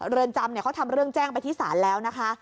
เรือนจำเขาทำเรื่องแจ้งไปที่ศาลแล้วนะคะ